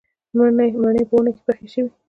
مڼې په ونو کې پخې شوې